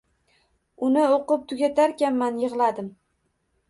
Uni oʻqib tugatarkanman yig'ladim